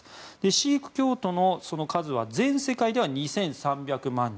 シーク教徒の数は全世界では２３００万人。